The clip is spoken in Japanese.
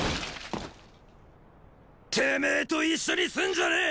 てめェと一緒にすんじゃねェ！